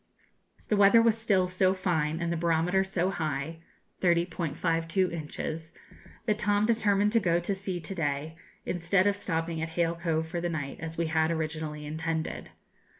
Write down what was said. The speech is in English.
The weather was still so fine, and the barometer so high 30.52 inches that Tom determined to go to sea to day, instead of stopping at Hale Cove for the night, as we had originally intended.